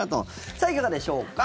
さあ、いかがでしょうか。